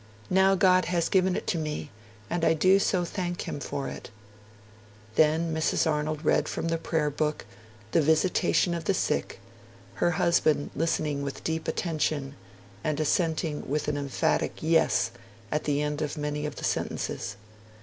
Now God has given it to me, and I do so thank Him for it.' Then Mrs. Arnold read from the Prayer book the 'Visitation of the Sick', her husband listening with deep attention, and assenting with an emphatic 'Yes' at the end of many of the sentences.